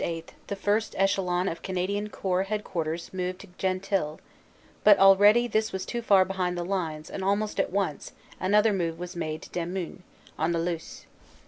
8 the first echelon of Canadian Corps Headquarters moved to Gentelles, but already this was too far behind the lines and almost at once an other move was made to Demuin, on the Luce.